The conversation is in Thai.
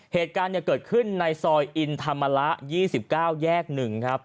เหตุการณ์เกิดขึ้นในซอยอินธรรมระ๒๙แยก๑ครับ